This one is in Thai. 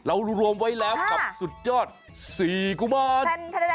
รวมไว้แล้วกับสุดยอด๔กุมาร